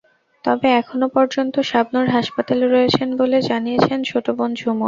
তবে এখনো পর্যন্ত শাবনূর হাসপাতালে রয়েছেন বলে জানিয়েছেন ছোট বোন ঝুমুর।